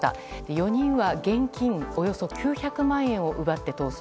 ４人は現金およそ９００万円を奪って、逃走。